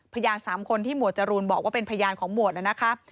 พยาน๓คนที่หมวดจรูนบอกว่าเป็นพยานของหมวดนะครับ